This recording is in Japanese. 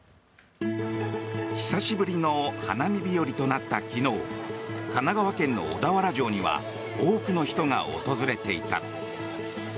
久しぶりの花見日和となった昨日神奈川県の小田原城には多くの人が訪れていた。